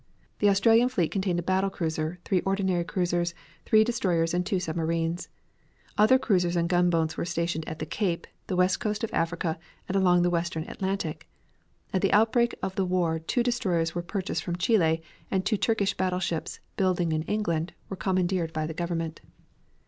The Australian fleet contained a battle cruiser, three ordinary cruisers, three destroyers and two submarines. Other cruisers and gunboats were stationed at the Cape, the west coast of Africa, and along the western Atlantic. At the outbreak of the war two destroyers were purchased from Chile, and two Turkish battleships, building in England, were commandeered by the government.